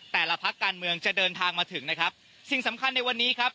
แต่ละพักการเมืองจะเดินทางมาถึงนะครับสิ่งสำคัญในวันนี้ครับ